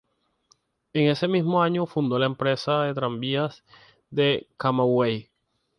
En ese mismo año fundó la empresa de tranvías de Camagüey.